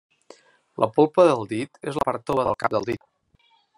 La polpa del dit és la part tova del cap del dit.